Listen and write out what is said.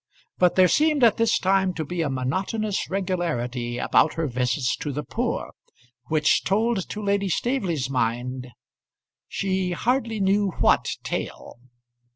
But there seemed at this time to be a monotonous regularity about her visits to the poor, which told to Lady Staveley's mind she hardly knew what tale.